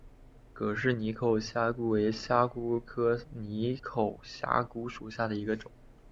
葛氏似口虾蛄为虾蛄科似口虾蛄属下的一个种。